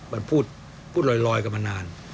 มันพูดลอยกันมานาน